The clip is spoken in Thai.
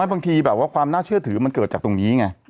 บางทีแบบว่าความน่าเชื่อถือมันเกิดจากตรงนี้ไง